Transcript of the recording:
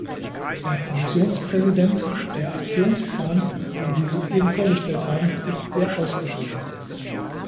Herr Kommissionspräsident, der Aktionsplan, den Sie soeben vorgestellt haben, ist sehr ausgewogen.